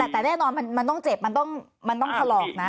แต่แน่นอนมันต้องเจ็บมันต้องถลอกนะ